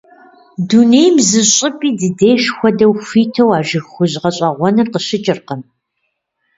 Дунейм зы щӀыпӀи ди деж хуэдэу хуиту а жыг хужь гъэщӀэгъуэныр къыщыкӀыркъым.